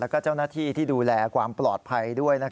แล้วก็เจ้าหน้าที่ที่ดูแลความปลอดภัยด้วย